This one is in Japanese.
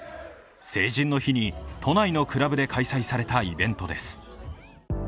成人の日に都内のクラブで開催されたイベントです。